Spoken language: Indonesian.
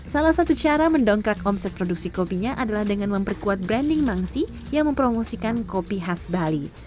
salah satu cara mendongkrak omset produksi kopinya adalah dengan memperkuat branding mangsi yang mempromosikan kopi khas bali